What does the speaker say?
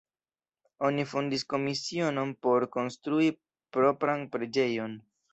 Oni fondis komisionon por konstrui propran preĝejon.